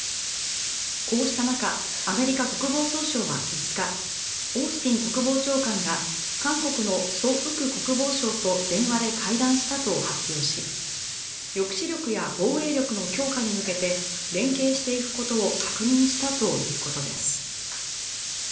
こうした中アメリカ国防総省は５日オースティン国防長官が韓国のソ・ウク国防相と電話で会談したと発表し抑止力や防衛力の強化に向けて連携していくことを確認したということです。